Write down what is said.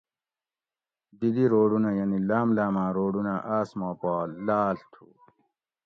دی دی روڈونہ یعنی لاۤم لاۤماۤں روڈونہ آۤس ما پا لاۤڷ تُھو